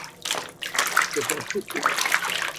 C’est un cricri.